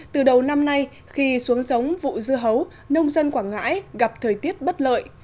từ đầu năm nay khi xuống giống vụ dưa hấu nông dân quảng ngãi gặp thời tiết bất lợi